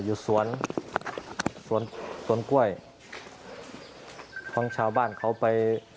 อยู่สวนสวนสวนกล้วยของชาวบ้านเขาไป